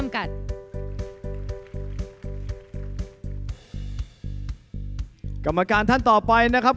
กรรมการท่านต่อไปนะครับ